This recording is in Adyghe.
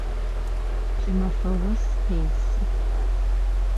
Кӏымафэм ос къесы.